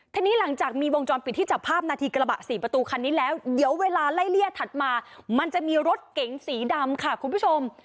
ทีนี้หลังจากมีวงจรปิดที่จับภาพนาทีกระบะสี่ประตูคันนี้แล้วเดี๋ยวเวลาไล่เลี่ยถัดมามันจะมีรถเก๋งสีดำค่ะคุณผู้ชม